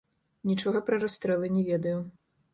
Нічога пра расстрэлы не ведаю.